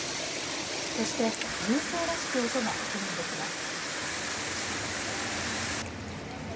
そして銃声らしき音が確認できます。